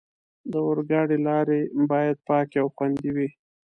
د اورګاډي لارې باید پاکې او خوندي وي.